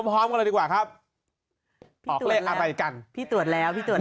พร้อมกันเลยดีกว่าครับออกเลขอะไรกันพี่ตรวจแล้วพี่ตรวจแล้ว